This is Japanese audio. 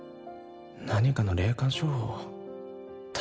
何かの霊感商法？だ